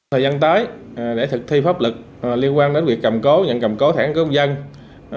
thời gian tới để thực thi pháp lực liên quan đến việc nhận cầm cố thẻ căn cước công dân